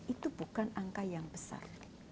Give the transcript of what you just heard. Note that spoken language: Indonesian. itu bukan angka yang besar